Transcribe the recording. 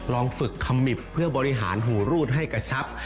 ลองฝึกขมิบเพื่อบริหารหูรูดให้กระชับ